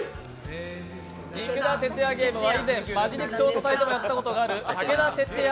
肉田鉄矢ゲームは以前、「本気肉調査隊」でもやったことがある武田鉄矢